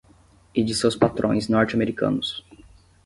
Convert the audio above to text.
e de seus patrões norte-americanos